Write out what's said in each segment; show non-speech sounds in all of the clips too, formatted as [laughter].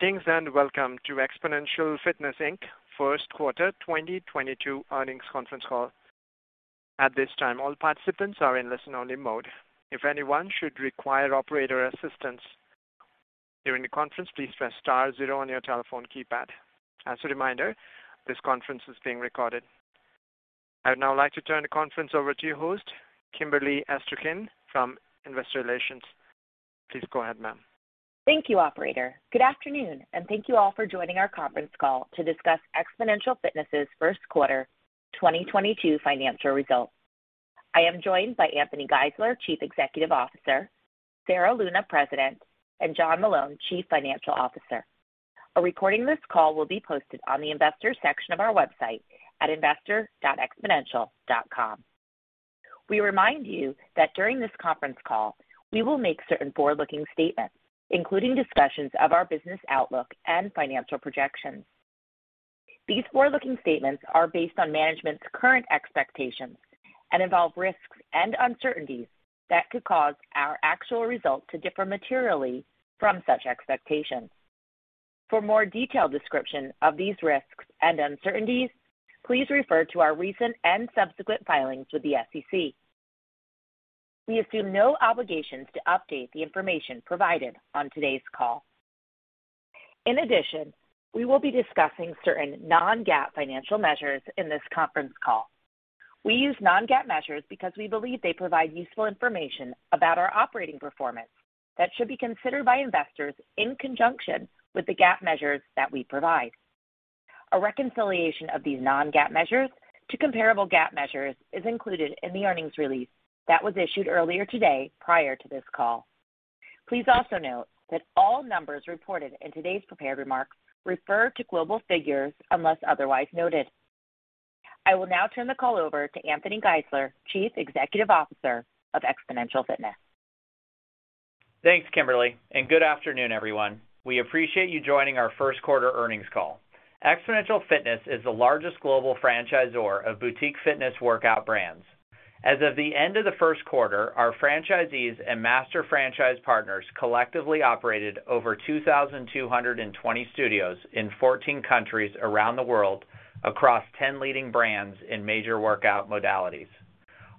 Greetings and welcome to Xponential Fitness, Inc. First Quarter 2022 Earnings Conference Call. At this time, all participants are in listen only mode. If anyone should require operator assistance during the conference, please press star zero on your telephone keypad. As a reminder, this conference is being recorded. I would now like to turn the conference over to your host, Kimberly Esterkin from Investor Relations. Please go ahead, ma'am. Thank you, operator. Good afternoon, and thank you all for joining our conference call to discuss Xponential Fitness's first quarter 2022 financial results. I am joined by Anthony Geisler, Chief Executive Officer, Sarah Luna, President, and John Meloun, Chief Financial Officer. A recording of this call will be posted on the Investors section of our website at investor.xponential.com. We remind you that during this conference call, we will make certain forward-looking statements, including discussions of our business outlook and financial projections. These forward-looking statements are based on management's current expectations, and involve risks and uncertainties that could cause our actual results to differ materially from such expectations. For more detailed description of these risks and uncertainties, please refer to our recent and subsequent filings with the SEC. We assume no obligations to update the information provided on today's call. In addition, we will be discussing certain non-GAAP financial measures in this conference call. We use non-GAAP measures because we believe they provide useful information about our operating performance that should be considered by investors in conjunction with the GAAP measures that we provide. A reconciliation of these non-GAAP measures to comparable GAAP measures is included in the earnings release that was issued earlier today prior to this call. Please also note that all numbers reported in today's prepared remarks refer to global figures unless otherwise noted. I will now turn the call over to Anthony Geisler, Chief Executive Officer of Xponential Fitness. Thanks, Kimberly, and good afternoon, everyone. We appreciate you joining our first quarter earnings call. Xponential Fitness is the largest global franchisor of boutique fitness workout brands. As of the end of the first quarter, our franchisees and master franchise partners collectively operated over 2,222 studios in 14 countries around the world across 10 leading brands in major workout modalities.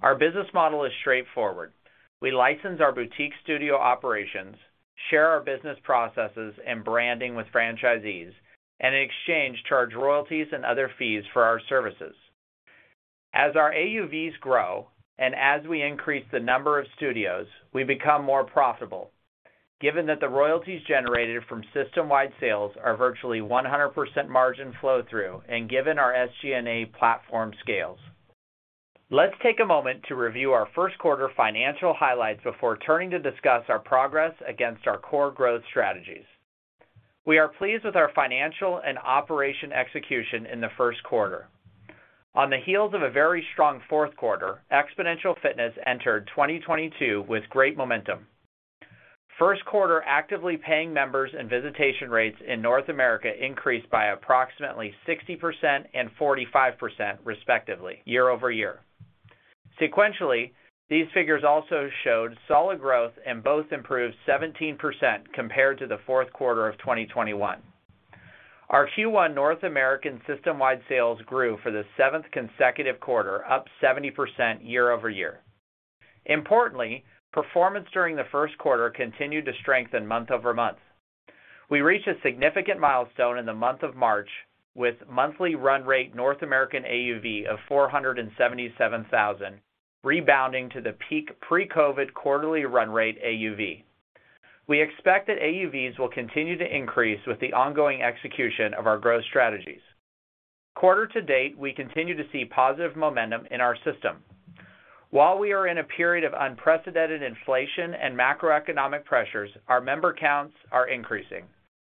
Our business model is straightforward. We license our boutique studio operations, share our business processes and branding with franchisees, and in exchange, charge royalties and other fees for our services. As our AUVs grow and as we increase the number of studios, we become more profitable. Given that the royalties generated from system-wide sales are virtually 100% margin flow through, and given our SG&A platform scales. Let's take a moment to review our first quarter financial highlights before turning to discuss our progress against our core growth strategies. We are pleased with our financial and operational execution in the first quarter. On the heels of a very strong fourth quarter, Xponential Fitness entered 2022 with great momentum. First quarter actively paying members and visitation rates in North America increased by approximately 60% and 45%, respectively, year-over-year. Sequentially, these figures also showed solid growth and both improved 17% compared to the fourth quarter of 2021. Our Q1 North American system-wide sales grew for the 7th consecutive quarter, up 70% year-over-year. Importantly, performance during the first quarter continued to strengthen month-over-month. We reached a significant milestone in the month of March with monthly run rate North American AUV of $477,000, rebounding to the peak pre-COVID quarterly run rate AUV. We expect that AUVs will continue to increase with the ongoing execution of our growth strategies. Quarter to date, we continue to see positive momentum in our system. While we are in a period of unprecedented inflation and macroeconomic pressures, our member counts are increasing,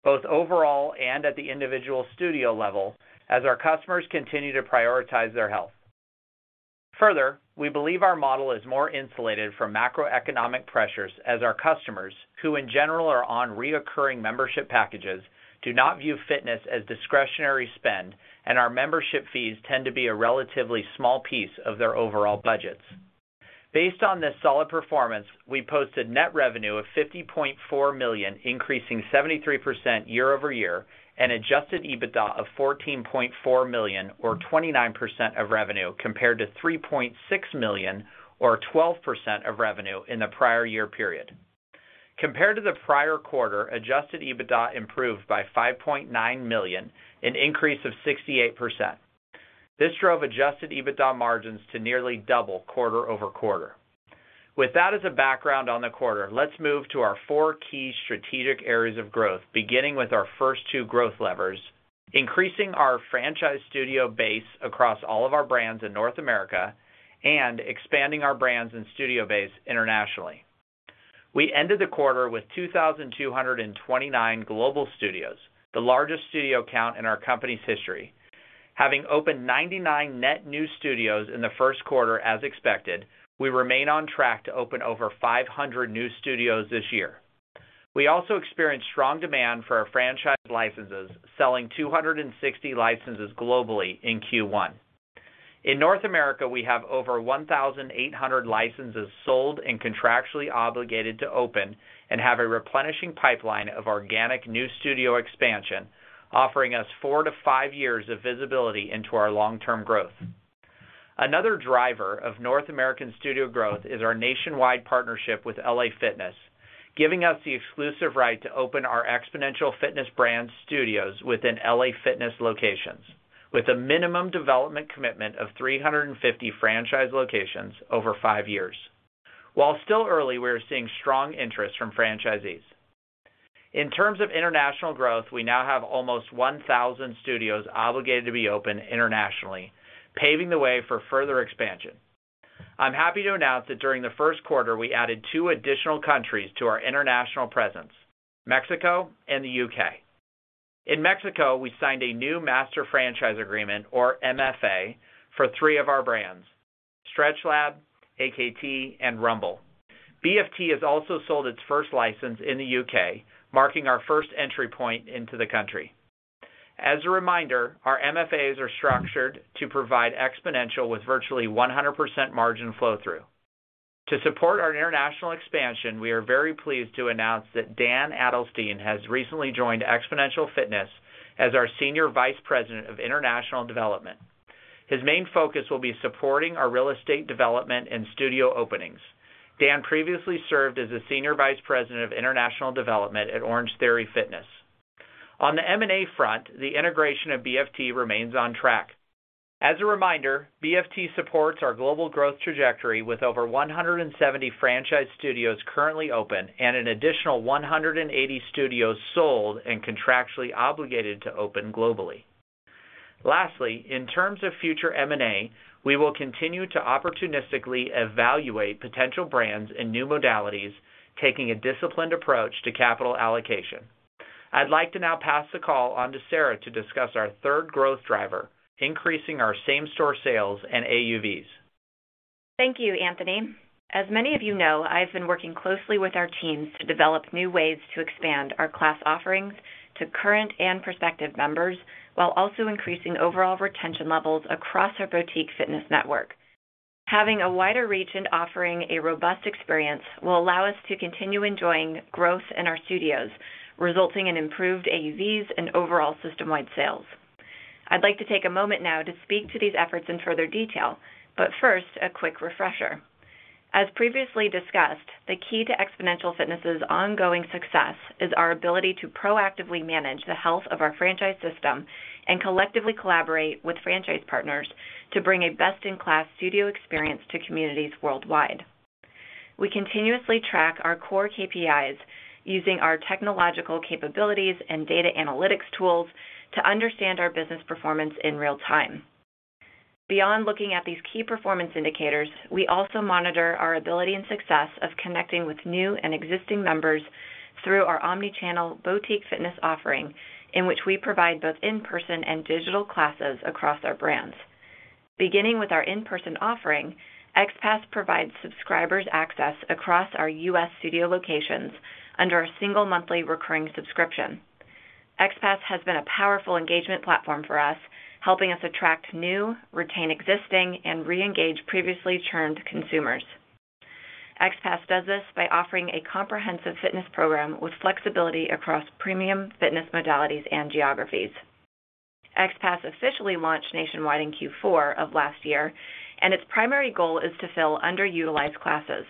both overall and at the individual studio level, as our customers continue to prioritize their health. Further, we believe our model is more insulated from macroeconomic pressures as our customers, who in general are on recurring membership packages, do not view fitness as discretionary spend, and our membership fees tend to be a relatively small piece of their overall budgets. Based on this solid performance, we posted net revenue of $50.4 million, increasing 73% year-over-year, and adjusted EBITDA of $14.4 million or 29% of revenue, compared to $3.6 million or 12% of revenue in the prior year period. Compared to the prior quarter, adjusted EBITDA improved by $5.9 million, an increase of 68%. This drove adjusted EBITDA margins to nearly double quarter-over-quarter. With that as a background on the quarter, let's move to our four key strategic areas of growth, beginning with our first two growth levers, increasing our franchise studio base across all of our brands in North America, and expanding our brands and studio base internationally. We ended the quarter with 2,229 global studios, the largest studio count in our company's history. Having opened 99 net new studios in the first quarter as expected, we remain on track to open over 500 new studios this year. We also experienced strong demand for our franchise licenses, selling 260 licenses globally in Q1. In North America, we have over 1,800 licenses sold and contractually obligated to open and have a replenishing pipeline of organic new studio expansion, offering us 4-5 years of visibility into our long-term growth. Another driver of North American studio growth is our nationwide partnership with LA Fitness, giving us the exclusive right to open our Xponential Fitness brand studios within LA Fitness locations, with a minimum development commitment of 350 franchise locations over five years. While still early, we are seeing strong interest from franchisees. In terms of international growth, we now have almost 1,000 studios obligated to be open internationally, paving the way for further expansion. I'm happy to announce that during the first quarter, we added two additional countries to our international presence, Mexico and the U.K. In Mexico, we signed a new master franchise agreement, or MFA, for three of our brands, StretchLab, AKT, and Rumble. BFT has also sold its first license in the U.K., marking our first entry point into the country. As a reminder, our MFAs are structured to provide Xponential with virtually 100% margin flow-through. To support our international expansion, we are very pleased to announce that Dan Adelstein has recently joined Xponential Fitness as our Senior Vice President of International Development. His main focus will be supporting our real estate development and studio openings. Dan previously served as the Senior Vice President of International Development at Orangetheory Fitness. On the M&A front, the integration of BFT remains on track. As a reminder, BFT supports our global growth trajectory with over 170 franchise studios currently open, and an additional 180 studios sold and contractually obligated to open globally. Lastly, in terms of future M&A, we will continue to opportunistically evaluate potential brands and new modalities, taking a disciplined approach to capital allocation. I'd like to now pass the call on to Sarah to discuss our third growth driver, increasing our same-store sales and AUVs. Thank you, Anthony. As many of you know, I've been working closely with our teams to develop new ways to expand our class offerings to current and prospective members, while also increasing overall retention levels across our boutique fitness network. Having a wider reach and offering a robust experience will allow us to continue enjoying growth in our studios, resulting in improved AUVs and overall system-wide sales. I'd like to take a moment now to speak to these efforts in further detail, but first, a quick refresher. As previously discussed, the key to Xponential Fitness' ongoing success is our ability to proactively manage the health of our franchise system, and collectively collaborate with franchise partners to bring a best-in-class studio experience to communities worldwide. We continuously track our core KPIs using our technological capabilities and data analytics tools to understand our business performance in real time. Beyond looking at these key performance indicators, we also monitor our ability and success of connecting with new and existing members through our omni-channel boutique fitness offering, in which we provide both in-person and digital classes across our brands. Beginning with our in-person offering, XPASS provides subscribers access across our U.S. studio locations under a single monthly recurring subscription. XPASS has been a powerful engagement platform for us, helping us attract new, retain existing, and re-engage previously churned consumers. XPASS does this by offering a comprehensive fitness program with flexibility across premium fitness modalities and geographies. XPASS officially launched nationwide in Q4 of last year, and its primary goal is to fill underutilized classes.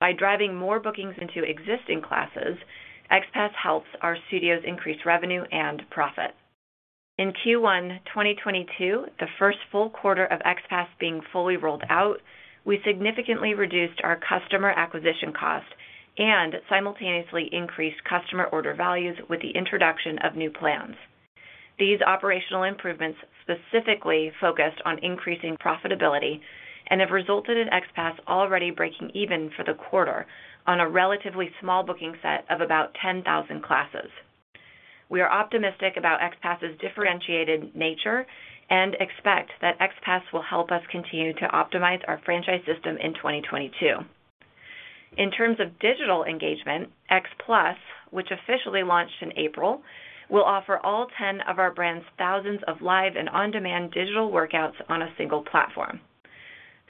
By driving more bookings into existing classes, XPASS helps our studios increase revenue, and profit. In Q1 2022, the first full quarter of XPASS being fully rolled out, we significantly reduced our customer acquisition cost, and simultaneously increased customer order values with the introduction of new plans. These operational improvements specifically focused on increasing profitability and have resulted in XPASS already breaking even for the quarter on a relatively small booking set of about 10,000 classes. We are optimistic about XPASS's differentiated nature and expect that XPASS will help us continue to optimize our franchise system in 2022. In terms of digital engagement, XPLUS, which officially launched in April, will offer all 10 of our brands thousands of live and on-demand digital workouts on a single platform.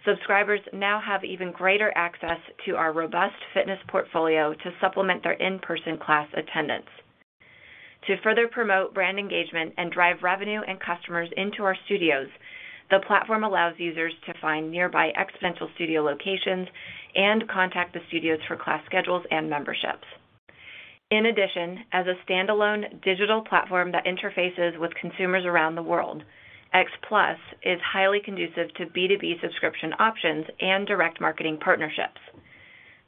Subscribers now have even greater access to our robust fitness portfolio to supplement their in-person class attendance. To further promote brand engagement and drive revenue and customers into our studios, the platform allows users to find nearby Xponential studio locations and contact the studios for class schedules and memberships. In addition, as a standalone digital platform that interfaces with consumers around the world, XPLUS is highly conducive to B2B subscription options and direct marketing partnerships.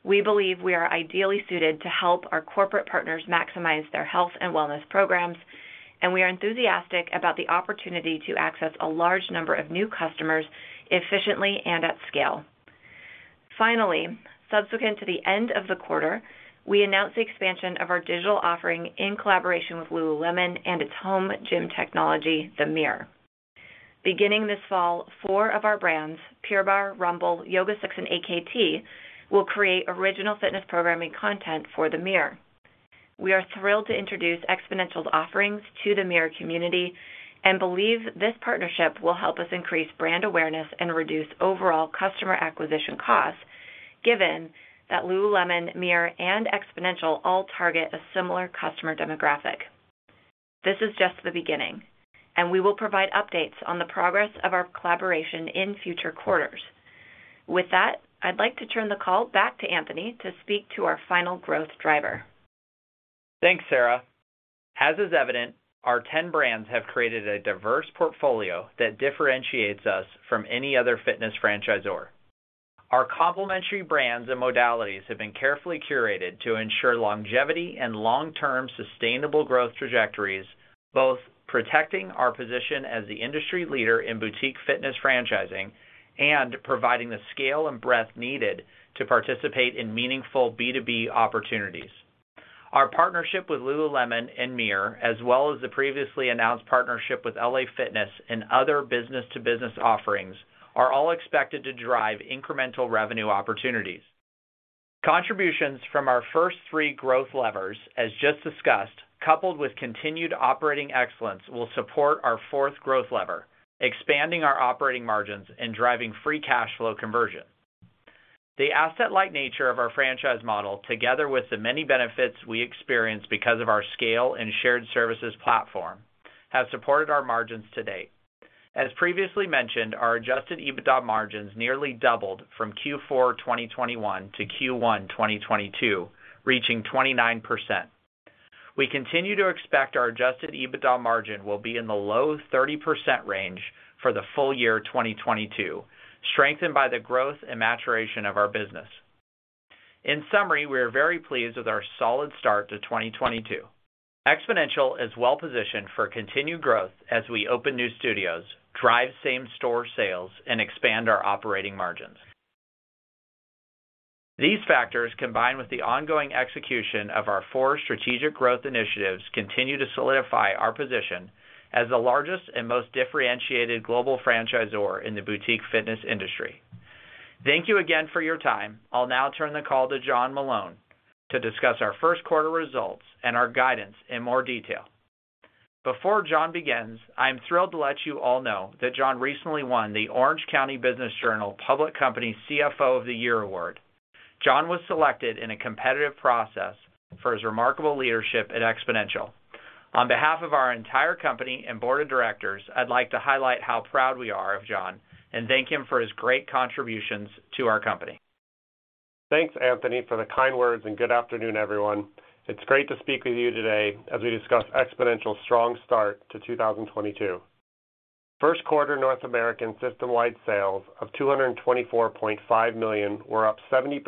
We believe we are ideally suited to help our corporate partners maximize their health and wellness programs, and we are enthusiastic about the opportunity to access a large number of new customers efficiently and at scale. Finally, subsequent to the end of the quarter, we announced the expansion of our digital offering in collaboration with lululemon and its home gym technology, the Mirror. Beginning this fall, four of our brands, Pure Barre, Rumble, YogaSix, and AKT, will create original fitness programming content for the Mirror. We are thrilled to introduce Xponential's offerings to the Mirror community, and believe this partnership will help us increase brand awareness and reduce overall customer acquisition costs, given that lululemon, Mirror, and Xponential all target a similar customer demographic. This is just the beginning, and we will provide updates on the progress of our collaboration in future quarters. With that, I'd like to turn the call back to Anthony to speak to our final growth driver. Thanks, Sarah. As is evident, our 10 brands have created a diverse portfolio that differentiates us from any other fitness franchisor. Our complementary brands and modalities have been carefully curated to ensure longevity and long-term sustainable growth trajectories, both protecting our position as the industry leader in boutique fitness franchising and providing the scale and breadth needed to participate in meaningful B2B opportunities. Our partnership with lululemon and Mirror, as well as the previously announced partnership with LA Fitness and other business-to-business offerings, are all expected to drive incremental revenue opportunities. Contributions from our first three growth levers, as just discussed, coupled with continued operating excellence, will support our fourth growth lever, expanding our operating margins and driving free cash flow conversion. The asset-light nature of our franchise model, together with the many benefits we experience because of our scale and shared services platform, have supported our margins to date. As previously mentioned, our adjusted EBITDA margins nearly doubled from Q4 2021 to Q1 2022, reaching 29%. We continue to expect our adjusted EBITDA margin will be in the low 30% range for the full year 2022, strengthened by the growth and maturation of our business. In summary, we are very pleased with our solid start to 2022. Xponential is well positioned for continued growth as we open new studios, drive same-store sales, and expand our operating margins. These factors, combined with the ongoing execution of our four strategic growth initiatives, continue to solidify our position as the largest and most differentiated global franchisor in the boutique fitness industry. Thank you again for your time. I'll now turn the call to John Meloun to discuss our first quarter results and our guidance in more detail. Before John begins, I am thrilled to let you all know that John recently won the Orange County Business Journal Public Company, CFO of the Year award. John was selected in a competitive process for his remarkable leadership at Xponential. On behalf of our entire company and board of directors, I'd like to highlight how proud we are of John, and thank him for his great contributions to our company. Thanks, Anthony, for the kind words, and good afternoon, everyone. It's great to speak with you today as we discuss Xponential's strong start to 2022. First quarter North American systemwide sales of $224.5 million were up 70%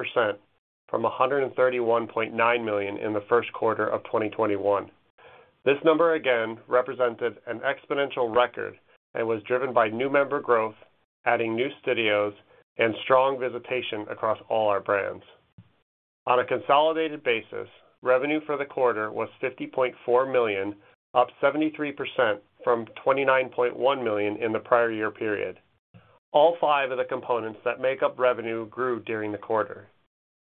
from $131.9 million in the first quarter of 2021. This number again represented an Xponential record and was driven by new member growth, adding new studios, and strong visitation across all our brands. On a consolidated basis, revenue for the quarter was $50.4 million, up 73% from $29.1 million in the prior year period. All five of the components that make up revenue grew during the quarter.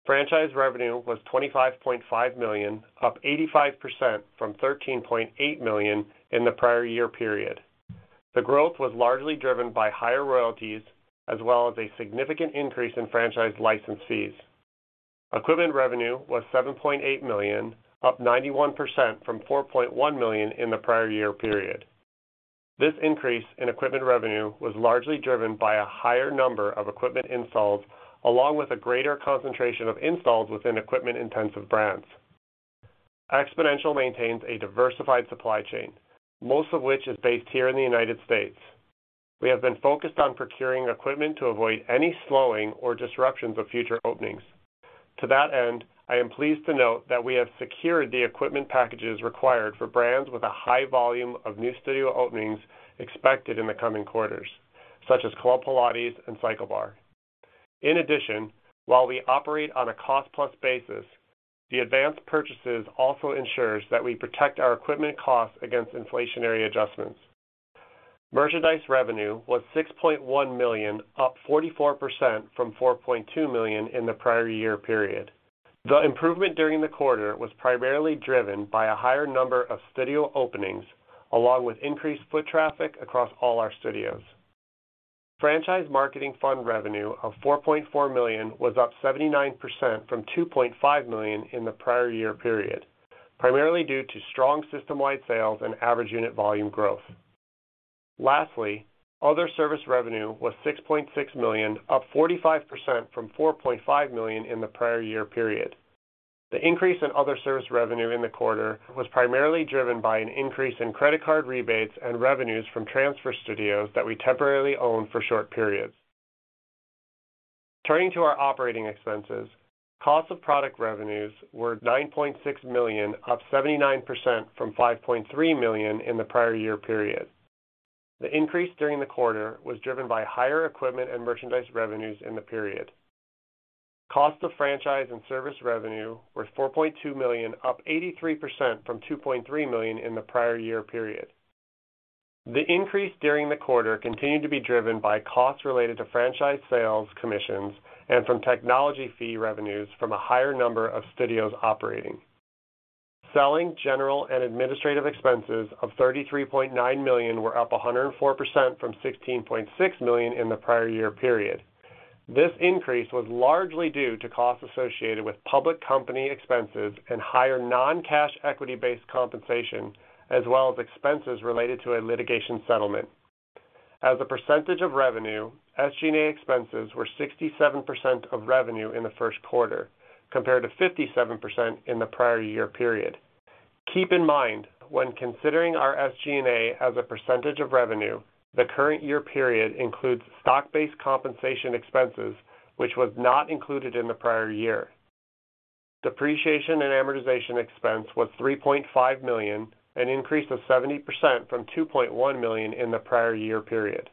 Franchise revenue was $25.5 million, up 85% from $13.8 million in the prior year period. The growth was largely driven by higher royalties as well as a significant increase in franchise license fees. Equipment revenue was $7.8 million, up 91% from $4.1 million in the prior year period. This increase in equipment revenue was largely driven by a higher number of equipment installs along with a greater concentration of installs within equipment-intensive brands. Xponential maintains a diversified supply chain, most of which is based here in the United States. We have been focused on procuring equipment to avoid any slowing or disruptions of future openings. To that end, I am pleased to note that we have secured the equipment packages required for brands with a high volume of new studio openings expected in the coming quarters, such as Club Pilates and CycleBar. In addition, while we operate on a cost-plus basis, the advanced purchases also ensures that we protect our equipment costs against inflationary adjustments. Merchandise revenue was $6.1 million, up 44% from $4.2 million in the prior year period. The improvement during the quarter was primarily driven by a higher number of studio openings along with increased foot traffic across all our studios. Franchise marketing fund revenue of $4.4 million was up 79% from $2.5 million in the prior year period, primarily due to strong system-wide sales and average unit volume growth. Lastly, other service revenue was $6.6 million, up 45% from $4.5 million in the prior year period. The increase in other service revenue in the quarter was primarily driven by an increase in credit card rebates and revenues from transfer studios that we temporarily own for short periods. Turning to our operating expenses, cost of product revenues were $9.6 million, up 79% from $5.3 million in the prior year period. The increase during the quarter was driven by higher equipment and merchandise revenues in the period. Cost of franchise and service revenue was $4.2 million, up 83% from $2.3 million in the prior year period. The increase during the quarter continued to be driven by costs related to franchise sales commissions and from technology fee revenues from a higher number of studios operating. Selling, general, and administrative expenses of $33.9 million were up 104% from $16.6 million in the prior year period. This increase was largely due to costs associated with public company expenses and higher non-cash equity-based compensation, as well as expenses related to a litigation settlement. As a percentage of revenue, SG&A expenses were 67% of revenue in the first quarter, compared to 57% in the prior year period. Keep in mind, when considering our SG&A as a percentage of revenue, the current year period includes stock-based compensation expenses, which was not included in the prior year. Depreciation and amortization expense was $3.5 million, an increase of 70% from $2.1 million in the prior year period.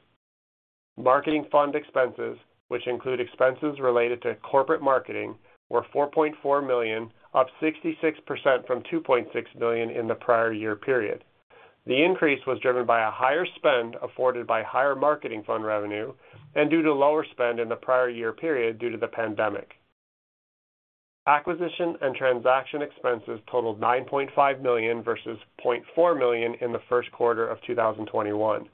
Marketing fund expenses, which include expenses related to corporate marketing, were $4.4 million, up 66% from $2.6 million in the prior year period. The increase was driven by a higher spend afforded by higher marketing fund revenue and due to lower spend in the prior year period due to the pandemic. Acquisition and transaction expenses totaled $9.5 million versus $0.4 million in the first quarter of 2021.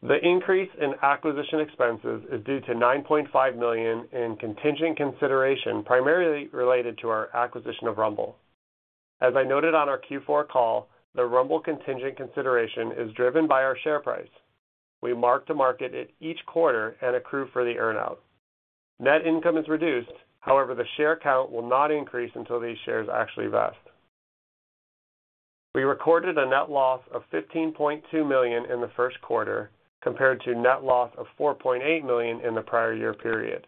The increase in acquisition expenses is due to $9.5 million in contingent consideration, primarily related to our acquisition of Rumble. As I noted on our Q4 call, the Rumble contingent consideration is driven by our share price. We mark to market it each quarter and accrue for the earn-out. Net income is reduced. However, the share count will not increase until these shares actually vest. We recorded a net loss of $15.2 million in the first quarter, compared to net loss of $4.8 million in the prior year period.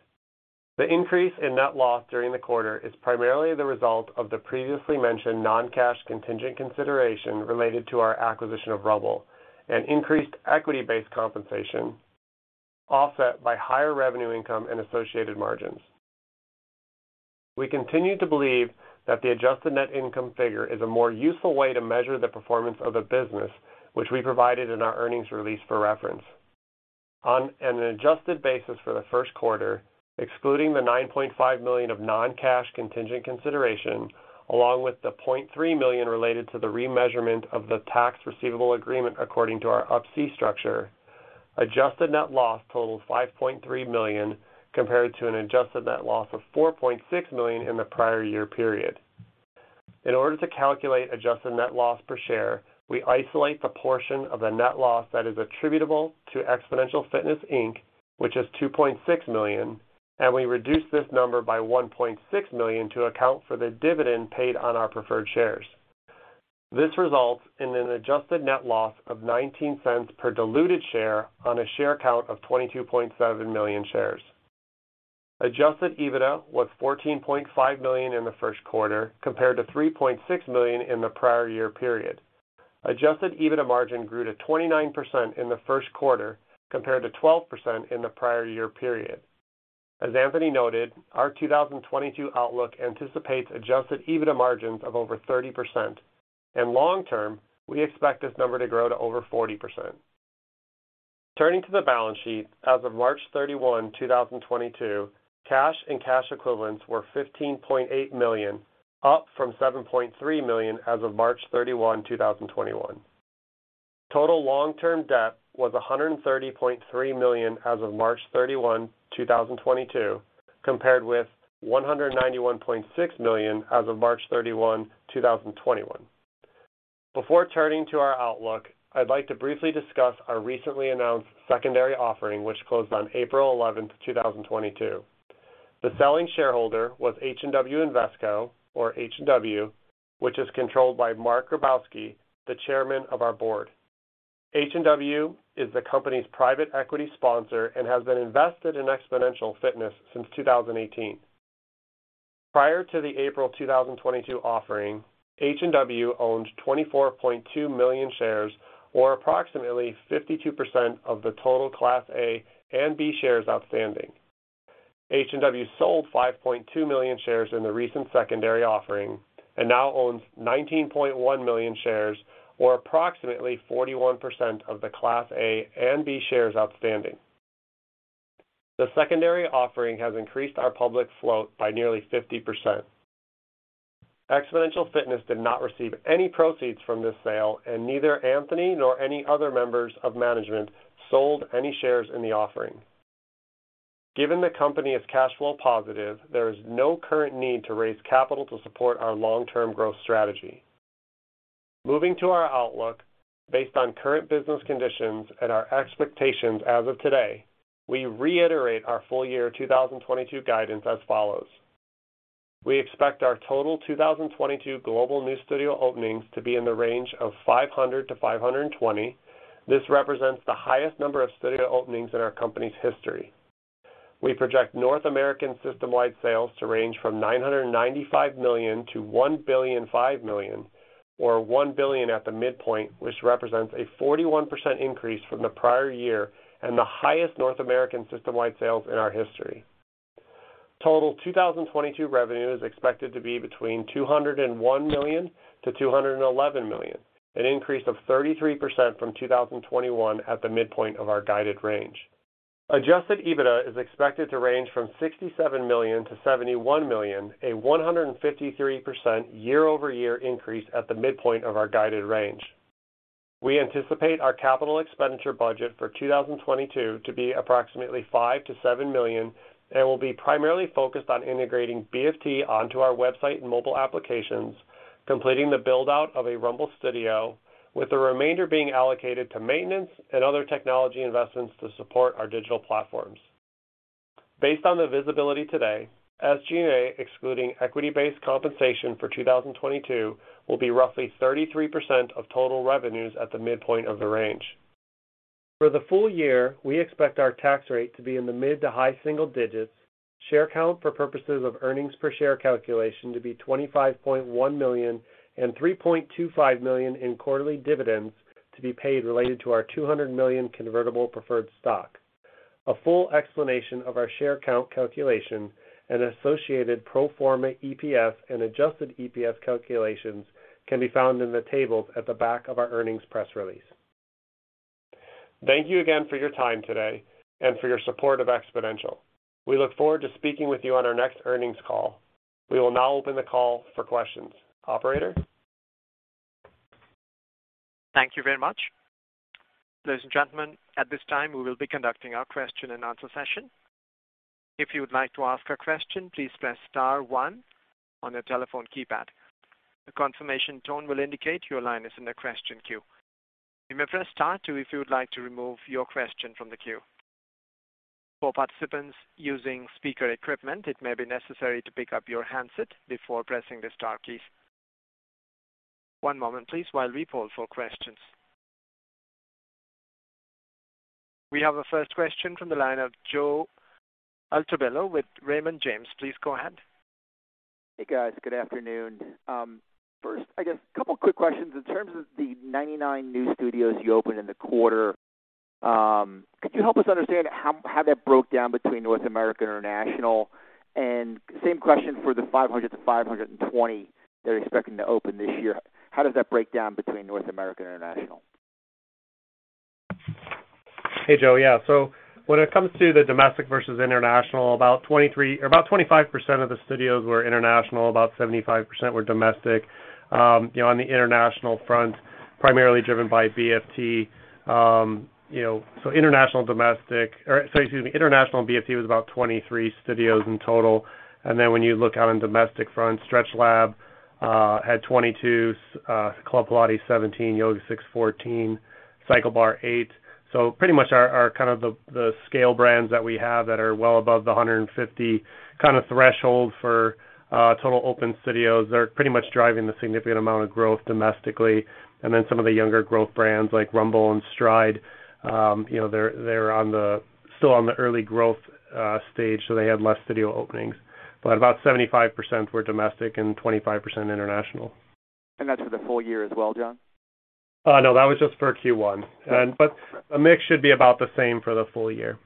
The increase in net loss during the quarter is primarily the result of the previously mentioned non-cash contingent consideration related to our acquisition of Rumble and increased equity-based compensation, offset by higher revenue income and associated margins. We continue to believe that the adjusted net income figure is a more useful way to measure the performance of the business, which we provided in our earnings release for reference. On an adjusted basis for the first quarter, excluding the $9.5 million of non-cash contingent consideration, along with the $0.3 million related to the remeasurement of the tax receivable agreement according to our Up-C structure, adjusted net loss totaled $5.3 million compared to an adjusted net loss of $4.6 million in the prior year period. In order to calculate adjusted net loss per share, we isolate the portion of the net loss that is attributable to Xponential Fitness, Inc., which is $2.6 million, and we reduce this number by $1.6 million to account for the dividend paid on our preferred shares. This results in an adjusted net loss of $0.19 per diluted share on a share count of $22.7 million shares. Adjusted EBITDA was $14.5 million in the first quarter, compared to $3.6 million in the prior year period. Adjusted EBITDA margin grew to 29% in the first quarter, compared to 12% in the prior year period. As Anthony noted, our 2022 outlook anticipates adjusted EBITDA margins of over 30%. Long term, we expect this number to grow to over 40%. Turning to the balance sheet, as of March 31, 2022, cash and cash equivalents were $15.8 million, up from $7.3 million as of March 31, 2021. Total long-term debt was $130.3 million as of March 31, 2022, compared with $191.6 million as of March 31, 2021. Before turning to our outlook, I'd like to briefly discuss our recently announced secondary offering, which closed on April 11, 2022. The selling shareholder was H&W Investco or H&W, which is controlled by Mark Grabowski, the chairman of our board. H&W is the company's private equity sponsor and has been invested in Xponential Fitness since 2018. Prior to the April 2022 offering, H&W owned $24.2 million shares, or approximately 52% of the total Class A and B shares outstanding. H&W sold $5.2 million shares in the recent secondary offering and now owns $19.1 million shares, or approximately 41% of the Class A and B shares outstanding. The secondary offering has increased our public float by nearly 50%. Xponential Fitness did not receive any proceeds from this sale, and neither Anthony nor any other members of management sold any shares in the offering. Given the company is cash flow positive, there is no current need to raise capital to support our long-term growth strategy. Moving to our outlook, based on current business conditions and our expectations as of today, we reiterate our full year 2022 guidance as follows. We expect our total 2022 global new studio openings to be in the range of 500-520. This represents the highest number of studio openings in our company's history. We project North American system-wide sales to range from $995 million-$1.005 billion or $1 billion at the midpoint, which represents a 41% increase from the prior year and the highest North American system-wide sales in our history. Total 2022 revenue is expected to be between $201 million and $211 million, an increase of 33% from 2021 at the midpoint of our guided range. Adjusted EBITDA is expected to range from $67 million-$71 million, a 153% year-over-year increase at the midpoint of our guided range. We anticipate our capital expenditure budget for 2022 to be approximately $5 million-$7 million, and will be primarily focused on integrating BFT onto our website and mobile applications, completing the build-out of a Rumble studio, with the remainder being allocated to maintenance and other technology investments to support our digital platforms. Based on the visibility today, SG&A excluding equity-based compensation for 2022 will be roughly 33% of total revenues at the midpoint of the range. For the full year, we expect our tax rate to be in the mid to high single digits, share count for purposes of earnings per share calculation to be $25.1 million, and $3.25 million in quarterly dividends to be paid related to our $200 million convertible preferred stock. A full explanation of our share count calculation, and associated pro forma EPS and adjusted EPS calculations can be found in the tables at the back of our earnings press release. Thank you again for your time today and for your support of Xponential. We look forward to speaking with you on our next earnings call. We will now open the call for questions. Operator? Thank you very much. Ladies and gentlemen, at this time, we will be conducting our question and answer session. If you would like to ask a question, please press star one on your telephone keypad. A confirmation tone will indicate your line is in the question queue. You may press star two if you would like to remove your question from the queue. For participants using speaker equipment, it may be necessary to pick up your handset before pressing the star keys. One moment please while we poll for questions. We have a first question from the line of Joe Altobello with Raymond James. Please go ahead. Hey, guys. Good afternoon. First, I guess a couple quick questions. In terms of the 99 new studios you opened in the quarter, could you help us understand how that broke down between North America and international? Same question for the 500-520 that are expecting to open this year. How does that break down between North America and international? Hey, Joe. Yeah. When it comes to the domestic versus international, about 23% or about 25% of the studios were international, about 75% were domestic. You know, on the international front, primarily driven by BFT. You know, international and BFT was about 23 studios in total. Then when you look out on domestic front, StretchLab had 22, Club Pilates 17, YogaSix 14, CycleBar 8. Pretty much our kind of the scale brands that we have that are well above the 150 kind of threshold for total open studios are pretty much driving the significant amount of growth domestically. Some of the younger growth brands like Rumble and STRIDE, you know, they're on the early growth stage, so they have less studio openings. About 75% were domestic and 25% international. That's for the full year as well, John? No, that was just for Q1. The mix should be about the same for the full year.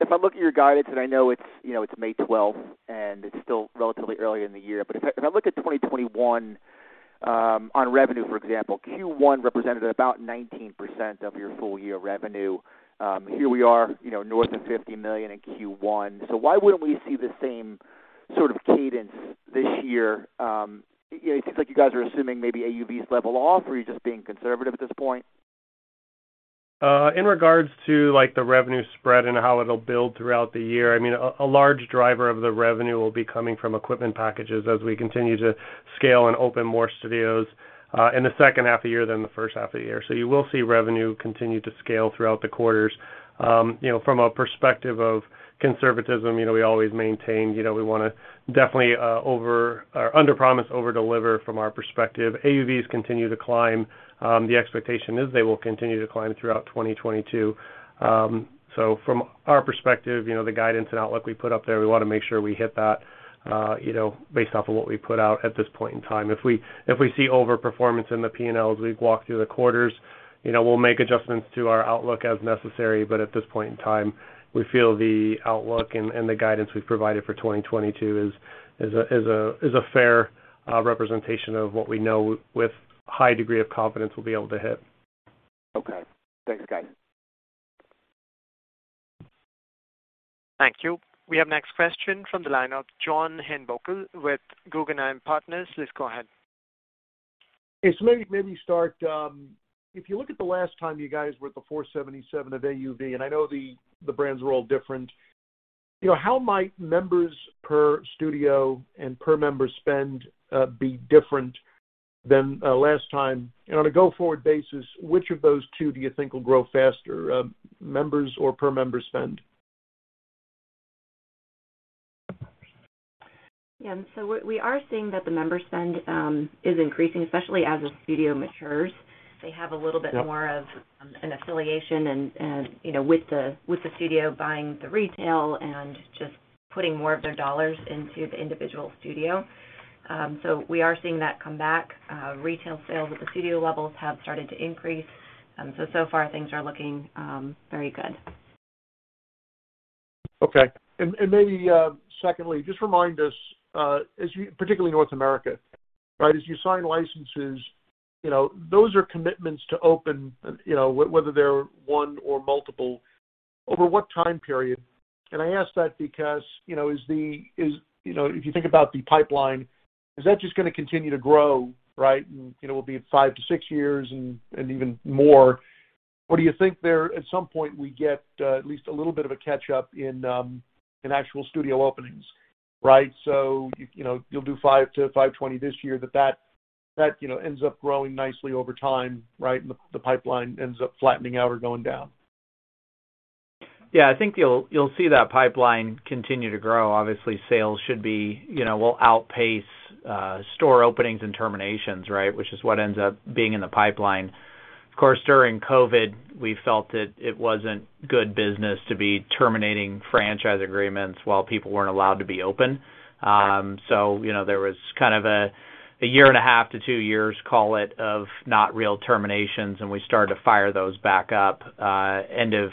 If I look at your guidance, and I know it's, you know, it's May 12th, and it's still relatively early in the year. If I look at 2021, on revenue, for example, Q1 represented about 19% of your full year revenue. Here we are, you know, north of $50 million in Q1. Why wouldn't we see the same sort of cadence this year? You know, it seems like you guys are assuming maybe AUVs level off, or are you just being conservative at this point? In regards to, like, the revenue spread and how it'll build throughout the year, I mean, a large driver of the revenue will be coming from equipment packages as we continue to scale and open more studios in the second half of the year than the first half of the year. You will see revenue continue to scale throughout the quarters. From a perspective of conservatism, you know, we always maintain, you know, we wanna definitely underpromise, overdeliver from our perspective. AUVs continue to climb. The expectation is they will continue to climb throughout 2022. From our perspective, you know, the guidance and outlook we put up there, we wanna make sure we hit that, you know, based off of what we put out at this point in time. If we see overperformance in the P&Ls as we walk through the quarters, you know, we'll make adjustments to our outlook as necessary. At this point in time, we feel the outlook and the guidance we've provided for 2022 is a fair representation of what we know with high degree of confidence we'll be able to hit. Okay. Thanks, guys. Thank you. We have next question from the line of John Heinbockel with Guggenheim Partners. Please go ahead. Okay. Maybe start. If you look at the last time you guys were at the 477 of AUV, and I know the brands are all different, you know, how might members per studio and per member spend be different than last time? On a go-forward basis, which of those two do you think will grow faster, members or per member spend? Yeah. We are seeing that the member spend is increasing, especially as a studio matures. They have a little bit. Yep. More of an affiliation, and you know with the studio buying the retail, and just putting more of their dollars into the individual studio. We are seeing that come back. Retail sales at the studio levels have started to increase. So far things are looking very good. Maybe secondly, just remind us, particularly North America, right? As you sign licenses, you know, those are commitments to open, you know, whether they're one or multiple, over what time period? I ask that because, you know, if you think about the pipeline, is that just gonna continue to grow, right? You know, will it be 5-6 years and even more? Or do you think there, at some point, we get at least a little bit of a catch-up in actual studio openings, right? You know, you'll do 500-520 this year, but that ends up growing nicely over time, right, and the pipeline ends up flattening out or going down. Yeah. I think you'll see that pipeline continue to grow. Obviously, sales should be, you know, will outpace store openings and terminations, right? Which is what ends up being in the pipeline. Of course, during COVID, we felt that it wasn't good business to be terminating franchise agreements while people weren't allowed to be open. You know, there was kind of a year and a half to two years, call it, of not real terminations, and we started to fire those back up end of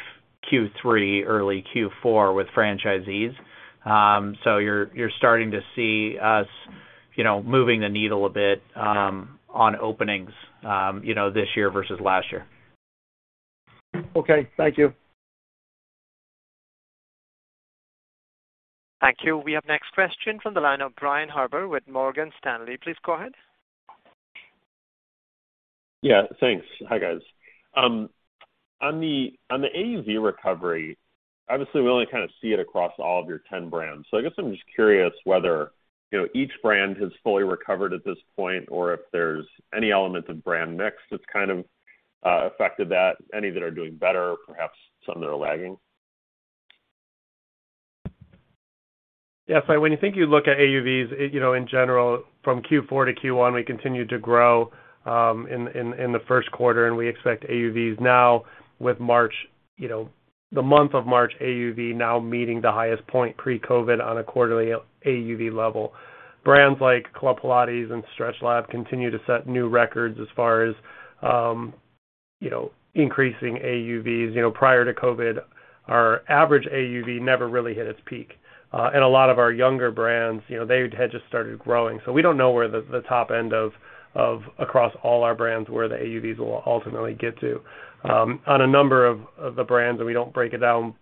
Q3, early Q4, with franchisees. You're starting to see us, you know, moving the needle a bit on openings, you know, this year versus last year. Okay, thank you. Thank you. We have next question from the line of Brian Harbour with Morgan Stanley. Please go ahead. Yeah, thanks. Hi, guys. On the AUV recovery, obviously we only kind of see it across all of your 10 brands. I guess I'm just curious whether, you know, each brand has fully recovered at this point, or if there's any element of brand mix that's kind of affected that, any that are doing better, perhaps some that are lagging. Yeah. When you think you look at AUVs, you know, in general from Q4 to Q1, we continue to grow in the first quarter, and we expect AUVs now with March, you know, the month of March AUV now meeting the highest point pre-COVID on a quarterly AUV level. Brands like Club Pilates and StretchLab continue to set new records as far as, you know, increasing AUVs. You know, prior to COVID, our average AUV never really hit its peak. A lot of our younger brands, you know, they had just started growing. We don't know where the top end of across all our brands, where the AUVs will ultimately get to. On a number of the brands, and we don't break it down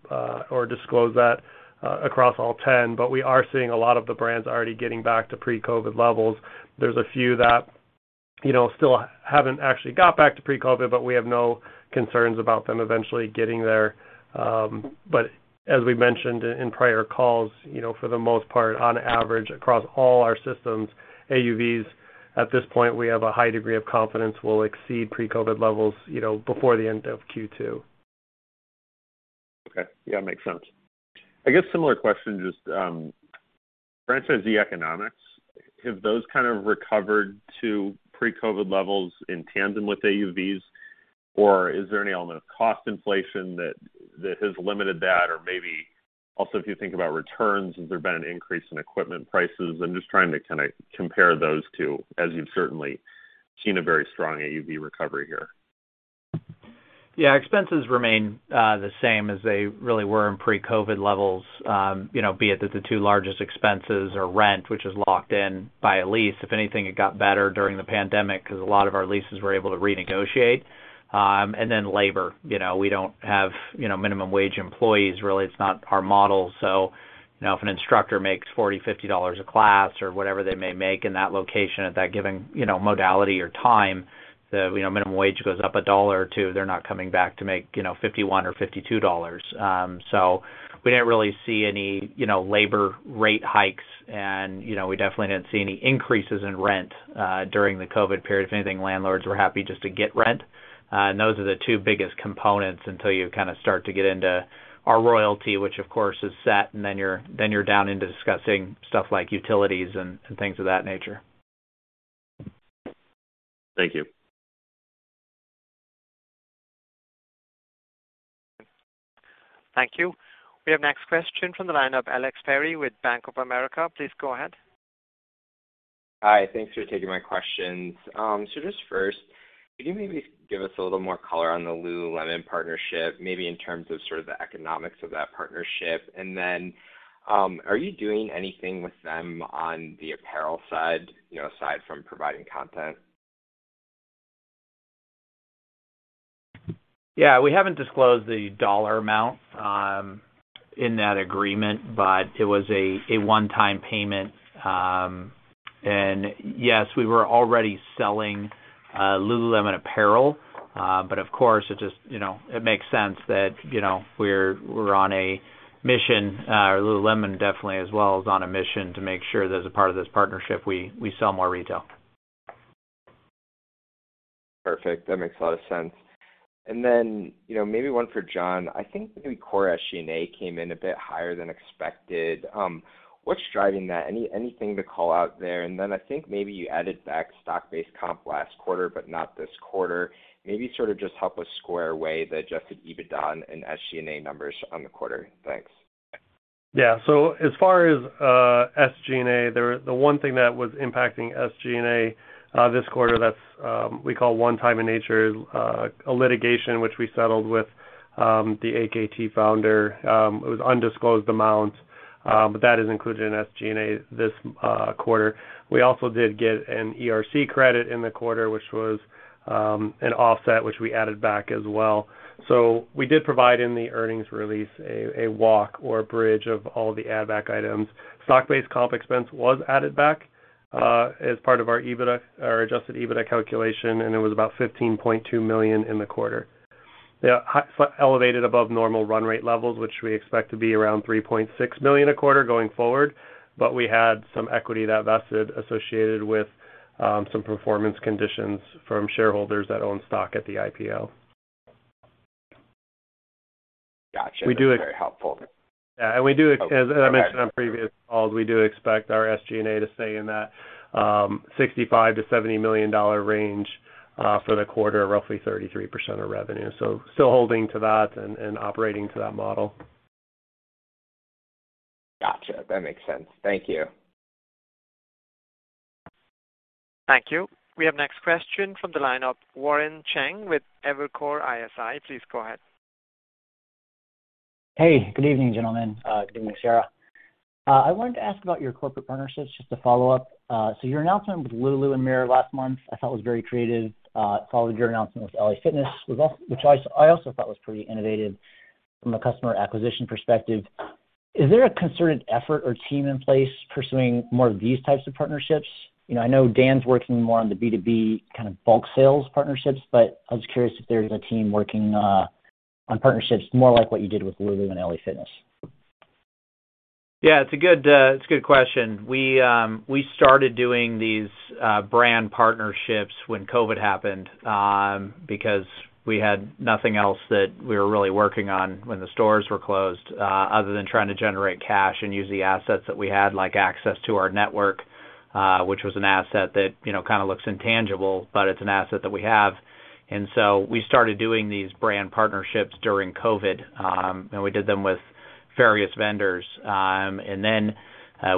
or disclose that across all 10, but we are seeing a lot of the brands already getting back to pre-COVID levels. There's a few that, you know, still haven't actually got back to pre-COVID, but we have no concerns about them eventually getting there. As we mentioned in prior calls, you know, for the most part, on average, across all our systems, AUVs at this point, we have a high degree of confidence will exceed pre-COVID levels, you know, before the end of Q2. Okay. Yeah, makes sense. I guess similar question, just, franchisee economics. Have those kind of recovered to pre-COVID levels in tandem with AUVs? Or is there any element of cost inflation that has limited that? Or maybe also, if you think about returns, has there been an increase in equipment prices? I'm just trying to kinda compare those two, as you've certainly seen a very strong AUV recovery here. Yeah. Expenses remain the same as they really were in pre-COVID levels, you know, be it that the two largest expenses are rent, which is locked in by a lease. If anything, it got better during the pandemic 'cause a lot of our leases we were able to renegotiate. Labor. You know, we don't have, you know, minimum wage employees, really. It's not our model. You know, if an instructor makes $40, $50 a class or whatever they may make in that location at that given, you know, modality or time, the, you know, minimum wage goes up a $1 or $2, they're not coming back to make, you know, $51 or $52. We didn't really see any, you know, labor rate hikes, and, you know, we definitely didn't see any increases in rent during the COVID period. If anything, landlords were happy just to get rent. Those are the two biggest components until you kinda start to get into our royalty, which of course is set, and then you're down into discussing stuff like utilities and things of that nature. Thank you. Thank you. We have next question from the line of Alex Perry with Bank of America. Please go ahead. Hi. Thanks for taking my questions. So just first, could you maybe give us a little more color on the lululemon partnership, maybe in terms of sort of the economics of that partnership? Are you doing anything with them on the apparel side, you know, aside from providing content? Yeah. We haven't disclosed the dollar amount in that agreement, but it was a one-time payment. Yes, we were already selling lululemon apparel. Of course, it just, you know, it makes sense that, you know, we're on a mission, lululemon definitely as well is on a mission to make sure that as a part of this partnership, we sell more retail. Perfect. That makes a lot of sense. Then, you know, maybe one for John. I think maybe core SG&A came in a bit higher than expected. What's driving that? Anything to call out there? I think maybe you added back stock-based comp last quarter, but not this quarter. Maybe sort of just help us square away the adjusted EBITDA and SG&A numbers on the quarter? Thanks. Yeah. As far as SG&A, the one thing that was impacting SG&A this quarter, that's one time in nature, a litigation which we settled with the AKT founder. It was an undisclosed amount, but that is included in SG&A this quarter. We also did get an ERC credit in the quarter, which was an offset which we added back as well. We did provide in the earnings release a walk or a bridge of all the add back items. Stock-based comp expense was added back as part of our EBITDA or adjusted EBITDA calculation, and it was about $15.2 million in the quarter. Yeah, elevated above normal run rate levels, which we expect to be around $3.6 million a quarter going forward. We had some equity that vested associated with some performance conditions from shareholders that own stock at the IPO. Got you. We do- That's very helpful. As I mentioned on previous calls, we do expect our SG&A to stay in that $65 million-$70 million range for the quarter, roughly 33% of revenue. Still holding to that and operating to that model. Got you. That makes sense. Thank you. Thank you. We have next question from the line of Warren Cheng with Evercore ISI. Please go ahead. Hey, good evening, gentlemen. Good evening, Sarah. I wanted to ask about your corporate partnerships, just to follow up. So your announcement with lulu and Mirror last month I thought was very creative, followed your announcement with LA Fitness, which I also thought was pretty innovative from a customer acquisition perspective. Is there a concerted effort or team in place pursuing more of these types of partnerships? You know, I know Dan's working more on the B2B kind of bulk sales partnerships, but I was curious if there's a team working on partnerships more like what you did with lulu and LA Fitness? Yeah, it's a good question. We started doing these brand partnerships when COVID happened, because we had nothing else that we were really working on when the stores were closed, other than trying to generate cash and use the assets that we had, like access to our network, which was an asset that, you know, kinda looks intangible, but it's an asset that we have. We started doing these brand partnerships during COVID, and we did them with various vendors. Then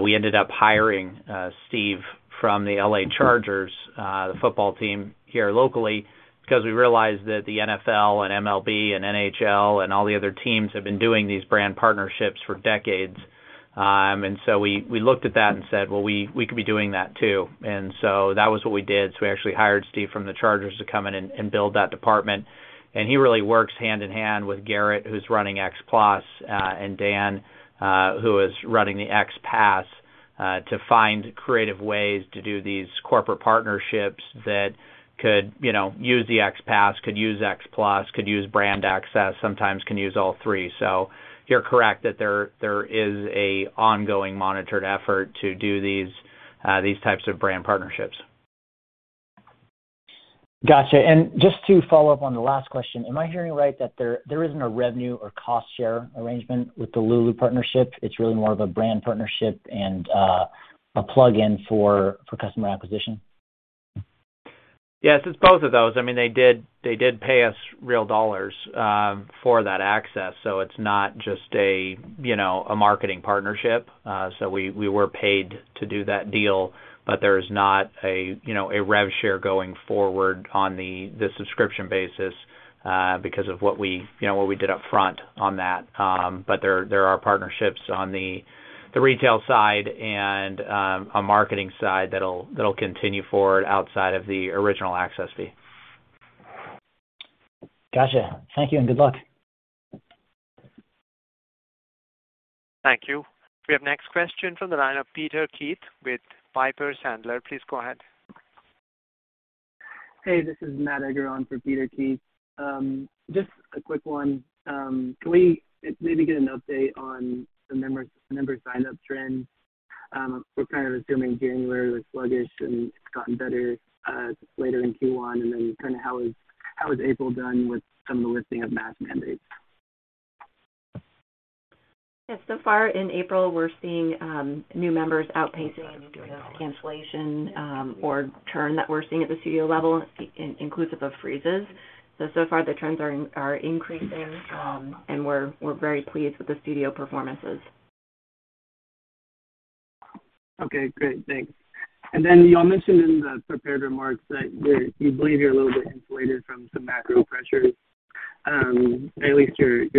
we ended up hiring Steve from the Los Angeles Chargers, the football team here locally, because we realized that the NFL and MLB and NHL and all the other teams have been doing these brand partnerships for decades. We looked at that and said, "Well, we could be doing that too." That was what we did. We actually hired Steve from the Chargers to come in and build that department. He really works hand in hand with Garrett, who's running XPLUS, and Dan, who is running the XPASS, to find creative ways to do these corporate partnerships that could, you know, use the XPASS, could use XPLUS, could use brand access, sometimes can use all three. You're correct that there is an ongoing monitored effort to do these types of brand partnerships. Got you. Just to follow up on the last question, am I hearing right that there isn't a revenue or cost share arrangement with the lululemon partnership? It's really more of a brand partnership and a plug-in for customer acquisition. Yes, it's both of those. I mean, they did pay us real dollars for that access. It's not just a, you know, marketing partnership. We were paid to do that deal, but there is not a, you know, rev share going forward on the subscription basis because of what we, you know, did up front on that. But there are partnerships on the retail side and a marketing side that'll continue forward outside of the original access fee. Got you. Thank you, and good luck. Thank you. We have next question from the line of Peter Keith with Piper Sandler. Please go ahead. Hey, this is Matt Edgar on for Peter Keith. Just a quick one. Can we maybe get an update on the member sign-up trends? We're kind of assuming January was sluggish and it's gotten better later in Q1. Kinda how has April done with some of the lifting of mask mandates? Yes. So far in April, we're seeing new members outpacing cancellation or churn that we're seeing at the studio level, inclusive of freezes. So far, the trends are increasing, and we're very pleased with the studio performances. Okay, great. Thanks. Y'all mentioned in the prepared remarks that you believe you're a little bit insulated from some macro pressures, at least your-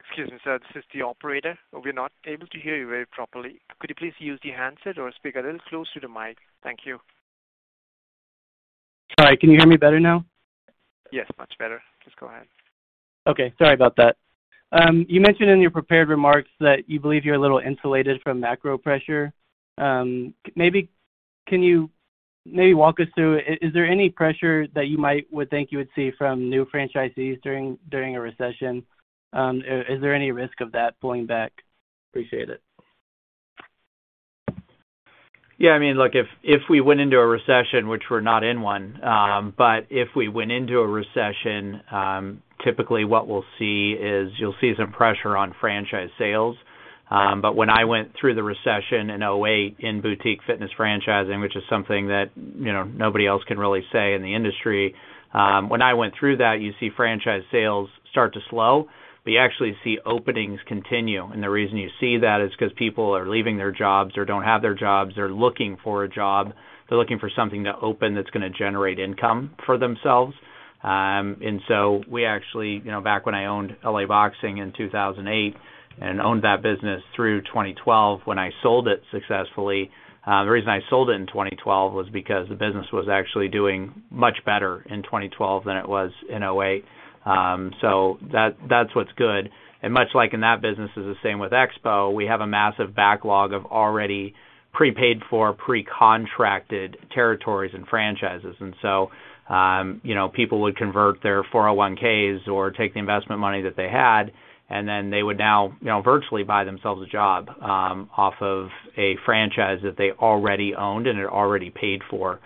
Excuse me, sir. This is the operator. We're not able to hear you very properly. Could you please use the handset or speak a little closer to the mic? Thank you. Sorry. Can you hear me better now? Yes, much better. Please go ahead. Okay. Sorry about that. You mentioned in your prepared remarks that you believe you're a little insulated from macro pressure. Maybe can you maybe walk us through, is there any pressure that you might would think you would see from new franchisees during a recession? Is there any risk of that pulling back? Appreciate it. Yeah, I mean, look, if we went into a recession, which we're not in one, but if we went into a recession, typically what we'll see is you'll see some pressure on franchise sales. When I went through the recession in 2008 in boutique fitness franchising, which is something that, you know, nobody else can really say in the industry, when I went through that, you see franchise sales start to slow, but you actually see openings continue. The reason you see that is 'cause people are leaving their jobs or don't have their jobs. They're looking for a job. They're looking for something to open that's gonna generate income for themselves. We actually, you know, back when I owned LA Boxing in 2008 and owned that business through 2012 when I sold it successfully, the reason I sold it in 2012 was because the business was actually doing much better in 2012 than it was in 2008. That, that's what's good. Much like in that business is the same with Expo. We have a massive backlog of already prepaid for pre-contracted territories and franchises. You know, people would convert their 401Ks or take the investment money that they had, and then they would now, you know, virtually buy themselves a job, off of a franchise that they already owned and had already paid for.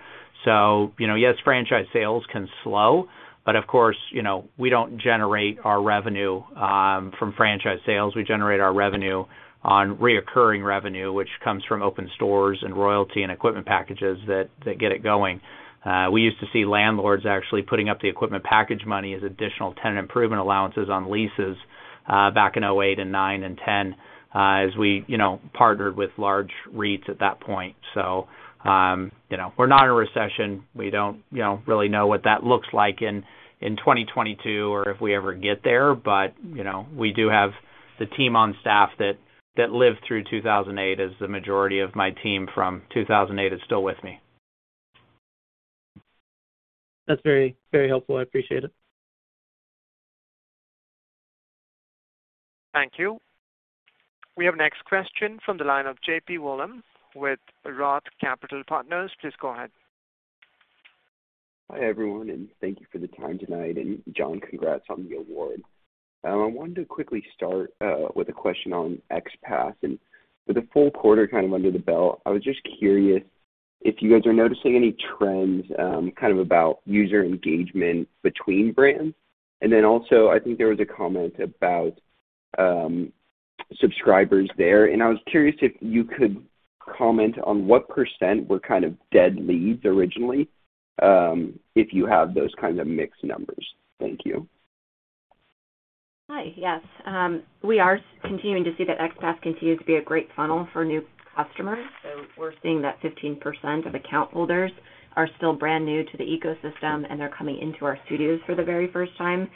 You know, yes, franchise sales can slow, but of course, you know, we don't generate our revenue from franchise sales. We generate our revenue on recurring revenue, which comes from open stores and royalty and equipment packages that get it going. We used to see landlords actually putting up the equipment package money as additional tenant improvement allowances on leases back in 2008, 2009, and 2010 as we, you know, partnered with large REITs at that point. You know, we're not in a recession. We don't, you know, really know what that looks like in 2022 or if we ever get there. You know, we do have the team on staff that lived through 2008 as the majority of my team from 2008 is still with me. That's very, very helpful. I appreciate it. Thank you. We have next question from the line of JP Wollam with ROTH Capital Partners. Please go ahead. Hi, everyone, and thank you for the time tonight. John, congrats on the award. I wanted to quickly start with a question on XPASS and with the full quarter kind of under the belt, I was just curious if you guys are noticing any trends kind of about user engagement between brands. Also I think there was a comment about subscribers there. I was curious if you could comment on what percent were kind of dead leads originally, if you have those kind of mixed numbers. Thank you. Hi. Yes. We are continuing to see that XPASS continues to be a great funnel for new customers. We're seeing that 15% of account holders are still brand new to the ecosystem, and they're coming into our studios for the very first time.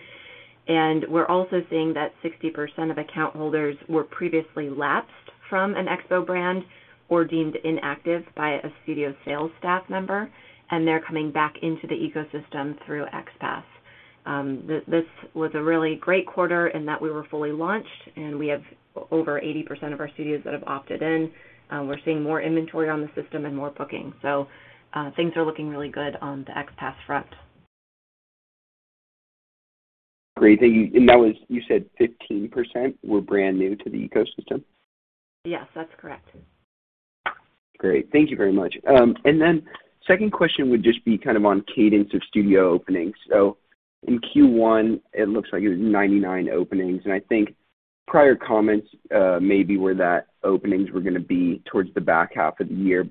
We're also seeing that 60% of account holders were previously lapsed from an Expo brand or deemed inactive by a studio sales staff member, and they're coming back into the ecosystem through XPASS. This was a really great quarter in that we were fully launched, and we have over 80% of our studios that have opted in. We're seeing more inventory on the system and more bookings. Things are looking really good on the XPASS front. Great. Thank you. That was, you said 15% were brand new to the ecosystem? Yes, that's correct. Great. Thank you very much. Second question would just be kind of on cadence of studio openings. In Q1, it looks like it was 99 openings. I think prior comments maybe were that openings were gonna be towards the back half of the year.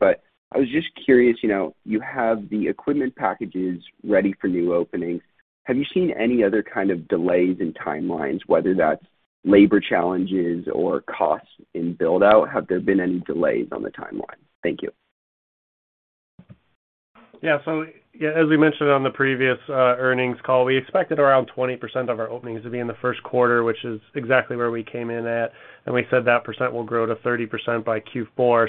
I was just curious, you know, you have the equipment packages ready for new openings, have you seen any other kind of delays in timelines, whether that's labor challenges or costs in build-out? Have there been any delays on the timeline? Thank you. As we mentioned on the previous earnings call, we expected around 20% of our openings to be in the first quarter, which is exactly where we came in at. We said that percent will grow to 30% by Q4.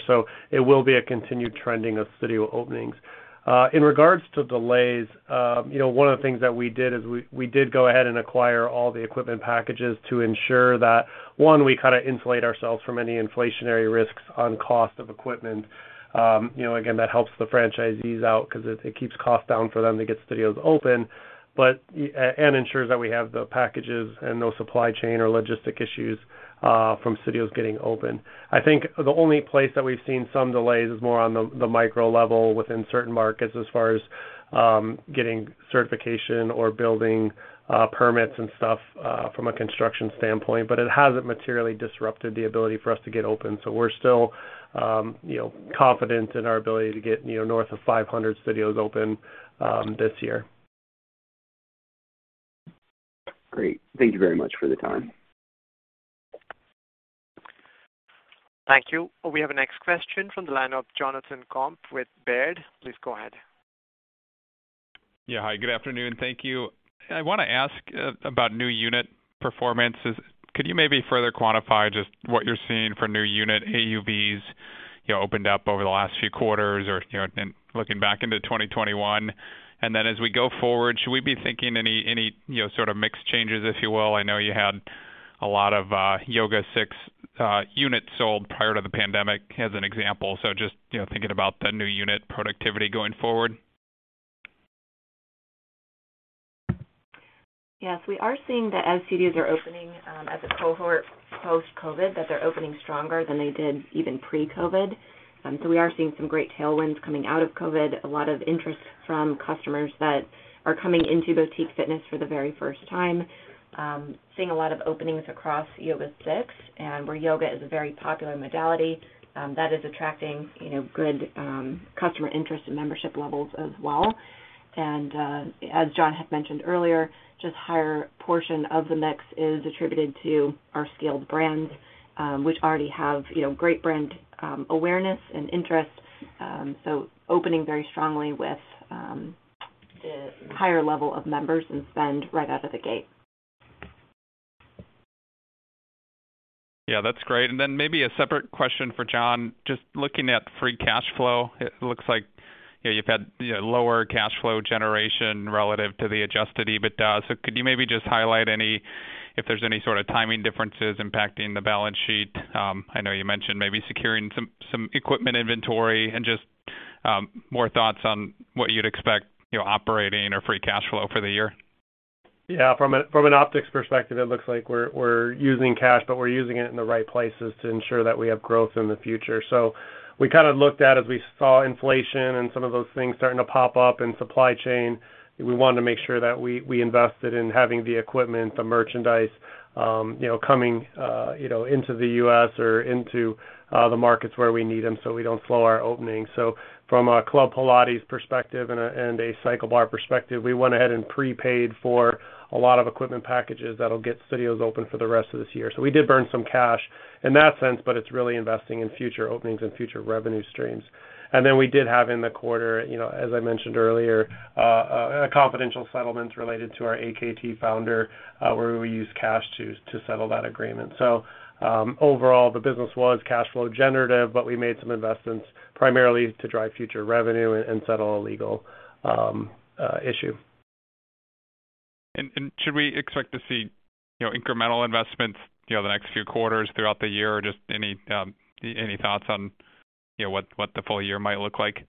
It will be a continued trending of studio openings. In regards to delays, you know, one of the things that we did is we did go ahead and acquire all the equipment packages to ensure that, one, we kinda insulate ourselves from any inflationary risks on cost of equipment. You know, again, that helps the franchisees out 'cause it keeps costs down for them to get studios open, and ensures that we have the packages and no supply chain or logistics issues from studios getting open. I think the only place that we've seen some delays is more on the micro level within certain markets as far as getting certification or building permits and stuff from a construction standpoint. It hasn't materially disrupted the ability for us to get open. We're still, you know, confident in our ability to get, you know, north of 500 studios open this year. Great. Thank you very much for the time. Thank you. We have our next question from the line of Jonathan Komp with Baird. Please go ahead. Yeah. Hi, good afternoon. Thank you. I wanna ask about new unit performances. Could you maybe further quantify just what you're seeing for new unit AUVs, you know, opened up over the last few quarters or, you know, and looking back into 2021? And then as we go forward, should we be thinking any, you know, sort of mix changes, if you will? I know you had a lot of YogaSix units sold prior to the pandemic as an example. Just, you know, thinking about the new unit productivity going forward. Yes, we are seeing that as studios are opening, as a cohort post-COVID, that they're opening stronger than they did even pre-COVID. We are seeing some great tailwinds coming out of COVID, a lot of interest from customers that are coming into boutique fitness for the very first time. Seeing a lot of openings across YogaSix and where yoga is a very popular modality, that is attracting, you know, good, customer interest and membership levels as well. As John had mentioned earlier, just higher portion of the mix is attributed to our scaled brands, which already have, you know, great brand, awareness, and interest. Opening very strongly with, the higher level of members and spend right out of the gate. Yeah, that's great. Maybe a separate question for John. Just looking at free cash flow, it looks like, yeah, you've had, you know, lower cash flow generation relative to the adjusted EBITDA. Could you maybe just highlight any if there's any sort of timing differences impacting the balance sheet? I know you mentioned maybe securing some equipment inventory, and just more thoughts on what you'd expect, you know, operating or free cash flow for the year? Yeah. From an optics perspective, it looks like we're using cash, but we're using it in the right places to ensure that we have growth in the future. We kind of looked at as we saw inflation and some of those things starting to pop up in supply chain, we wanted to make sure that we invested in having the equipment, the merchandise, you know, coming, you know, into the U.S. or into the markets where we need them, so we don't slow our opening. From a Club Pilates perspective and a CycleBar perspective, we went ahead and prepaid for a lot of equipment packages that'll get studios open for the rest of this year. We did burn some cash in that sense, but it's really investing in future openings and future revenue streams. We did have in the quarter, you know, as I mentioned earlier, a confidential settlement related to our AKT founder, where we used cash to settle that agreement. Overall, the business was cash flow generative, but we made some investments primarily to drive future revenue and settle a legal issue. Should we expect to see, you know, incremental investments, you know, the next few quarters throughout the year or just any thoughts on, you know, what the full year might look like?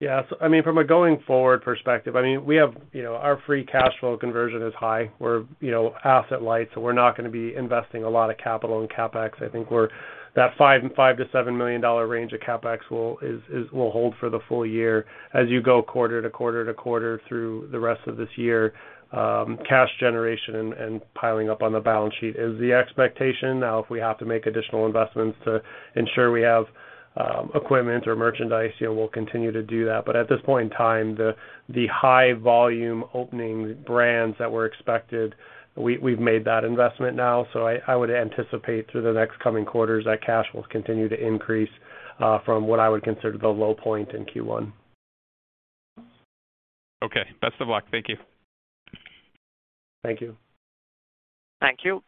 Yeah. I mean, from a going forward perspective, I mean, we have, you know, our free cash flow conversion is high. We're, you know, asset light, so we're not gonna be investing a lot of capital in CapEx. I think that $5.5 million-$7 million range of CapEx will hold for the full year. As you go quarter to quarter to quarter through the rest of this year, cash generation and piling up on the balance sheet is the expectation. Now, if we have to make additional investments to ensure we have equipment or merchandise, you know, we'll continue to do that. But at this point in time, the high volume opening brands that were expected, we've made that investment now. I would anticipate through the next coming quarters that cash will continue to increase from what I would consider the low point in Q1. Okay. Best of luck. Thank you. Thank you. Thank you.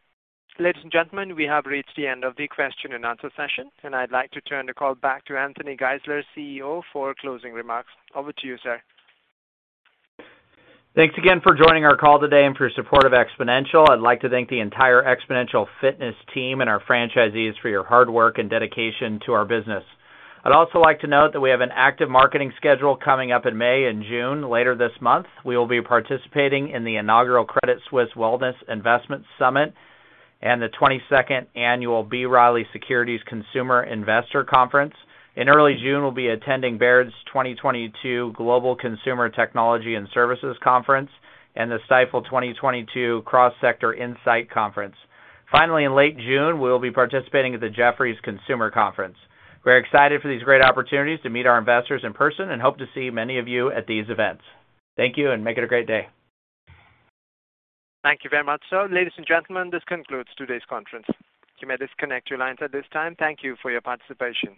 Ladies and gentlemen, we have reached the end of the question and answer session, and I'd like to turn the call back to Anthony Geisler, CEO, for closing remarks. Over to you, sir. Thanks again for joining our call today and for your support of Xponential. I'd like to thank the entire Xponential Fitness team and our franchisees for your hard work and dedication to our business. I'd also like to note that we have an active marketing schedule coming up in May and June later this month. We will be participating in the inaugural Credit Suisse [inaudible] Investment Summit and the 22nd annual B. Riley Securities Institutional Investor Conference. In early June, we'll be attending Baird's 2022 Global Consumer, Technology, & Services Conference and the Stifel 2022 Cross Sector Insight Conference. Finally, in late June, we'll be participating at the Jefferies Consumer Conference. We're excited for these great opportunities to meet our investors in person and hope to see many of you at these events. Thank you, and make it a great day. Thank you very much, sir. Ladies and gentlemen, this concludes today's conference. You may disconnect your lines at this time. Thank you for your participation.